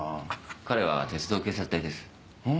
彼は鉄道警察隊です。